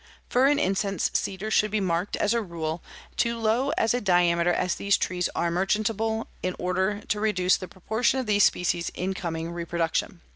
"Fir and incense cedar should be marked, as a rule, to as low a diameter as these trees are merchantable in order to reduce the proportion of these species in coming reproduction.